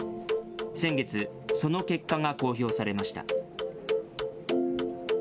先月、その結果が公表されました。